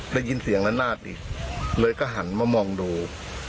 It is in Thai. ได้ยินเสียงละนาดอีกเลยก็หันมามองดู